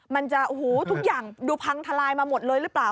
มันจะโอ้โหทุกอย่างดูพังทลายมาหมดเลยหรือเปล่า